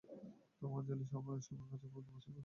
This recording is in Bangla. তবে আঞ্জলির সার্মার কাছে প্রতিদিন বাস্কেটবল অবশ্যই হারে।